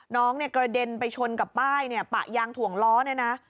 น้องเนี่ยกระเด็นไปชนกับป้ายเนี่ยปะยางถ่วงล้อเนี่ยนะ